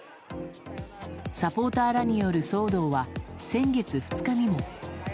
サポーターらによる騒動は先月２日にも。